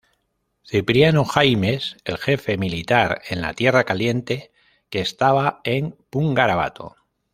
Cipriano Jaimes, el Jefe Militar en la Tierra Caliente que estaba en Pungarabato.